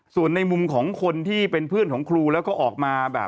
ส่วนในมุมของคนที่เป็นเพื่อนของครูแล้วก็ออกมาแบบ